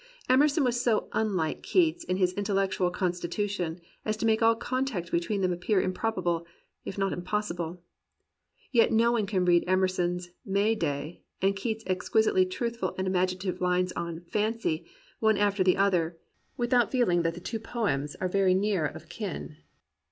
Emerson was so unlike Keats in his intellectual constitution as to make all contact between them appear improbable, if not impossible. Yet no one can read Emerson's "May Day," and Keats' exquisitely truthful and imaginative lines on "Fancy," one after the other, without feeling that the two poems are very near of kin.